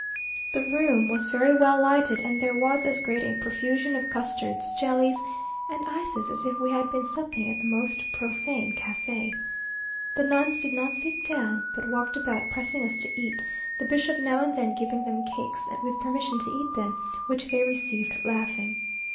The room was very well lighted, and there was as great a profusion of custards, jellies, and ices, as if we had been supping at the most profane cafe. The nuns did not sit down, but walked about, pressing us to eat, the bishop now and then giving them cakes, with permission to eat them, which they received laughing.